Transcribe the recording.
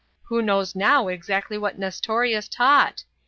Who knows now exactly what Nestorius taught?